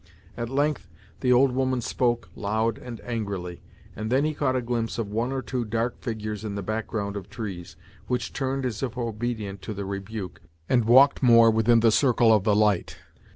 At length the old woman spoke loud and angrily, and then he caught a glimpse of one or two dark figures in the background of trees, which turned as if obedient to the rebuke, and walked more within the circle of the light.